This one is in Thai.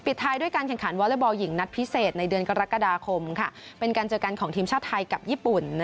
ท้ายด้วยการแข่งขันวอเล็กบอลหญิงนัดพิเศษในเดือนกรกฎาคมเป็นการเจอกันของทีมชาติไทยกับญี่ปุ่น